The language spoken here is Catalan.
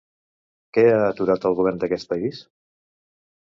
Què ha aturat el govern d'aquest país?